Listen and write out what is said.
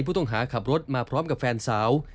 ผู้ต้องหาขับรถมาพร้อมกับแฟนสาว